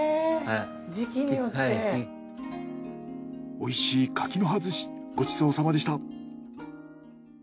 おいしい柿の葉寿司ごちそうさまでした。